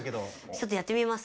ちょっとやってみます。